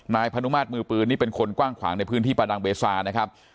นายพนุมาตรมือปืนนี่เป็นคนกว้างขวางในพื้นที่ประดังเบซานะครับ